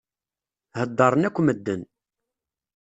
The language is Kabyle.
Heddṛen akk medden.